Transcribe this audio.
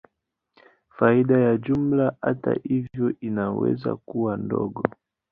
Faida ya jumla, hata hivyo, inaweza kuwa ndogo.